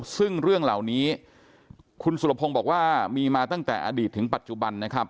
ซึ่งเรื่องเหล่านี้คุณสุรพงศ์บอกว่ามีมาตั้งแต่อดีตถึงปัจจุบันนะครับ